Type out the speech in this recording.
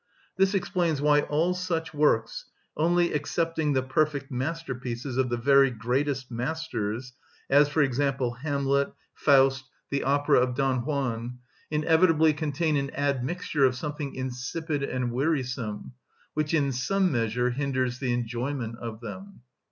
This explains why all such works, only excepting the perfect masterpieces of the very greatest masters (as, for example, "Hamlet," "Faust," the opera of "Don Juan"), inevitably contain an admixture of something insipid and wearisome, which in some measure hinders the enjoyment of them.